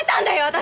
私。